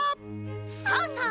さあさあ